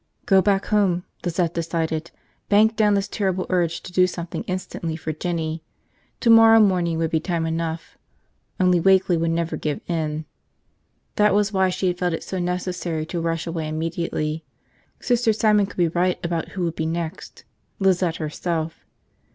Go back home, Lizette decided, bank down this terrific urge to do something instantly for Jinny. Tomorrow morning would be time enough – only Wakeley would never give in. That was why she had felt it so necessary to rush away immediately. Sister Simon could be right about who would be next – Lizette herself.